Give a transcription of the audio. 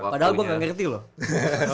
padahal gue gak ngerti loh